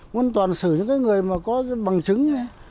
nguồn toàn xử với cái người mà có bằng chứng